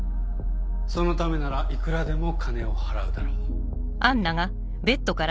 そのためならいくらでも金を払うだろう。